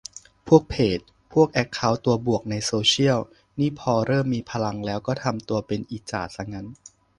พวกเพจ พวกแอคเคาท์ตัวบวกในโซเชียลนี่พอเริ่มมีพลังแล้วก็ทำตัวเป็นอีจ่าซะงั้น